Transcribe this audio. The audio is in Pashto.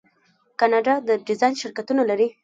کاناډا د ډیزاین شرکتونه لري.